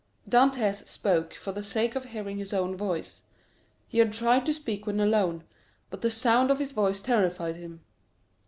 Dantès spoke for the sake of hearing his own voice; he had tried to speak when alone, but the sound of his voice terrified him.